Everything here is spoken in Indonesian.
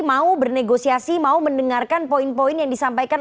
mau bernegosiasi mau mendengarkan poin poin yang disampaikan